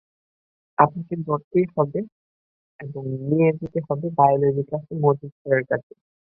আপনাকে ধরতেই হবে এবং নিয়ে যেতে হবে বায়োলজি ক্লাসে মজিদ স্যারের কাছে।